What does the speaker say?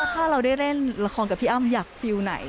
ถ้าเราได้เล่นละครกับพี่อ้ำอยากฟิลล์ไหน